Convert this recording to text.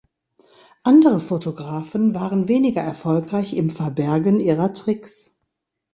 Andere Fotografen waren weniger erfolgreich im Verbergen ihrer Tricks.